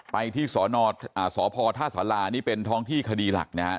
ไปที่สพท่าสารานี่เป็นท้องที่คดีหลักนะครับ